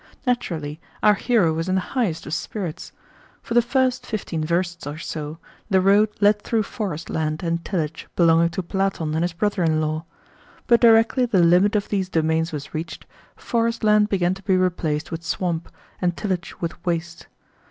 Naturally, our hero was in the highest of spirits. For the first fifteen versts or so the road led through forest land and tillage belonging to Platon and his brother in law; but directly the limit of these domains was reached, forest land began to be replaced with swamp, and tillage with waste.